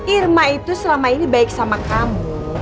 irma itu selama ini baik sama kamu